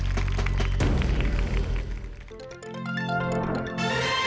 สวัสดีครับ